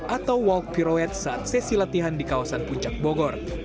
atau walk piroid saat sesi latihan di kawasan puncak bogor